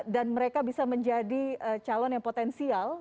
dan mereka bisa menjadi calon yang potensial